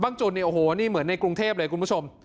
นี่เหมือนในกรุงเทพฯด้วยคุณผู้ชม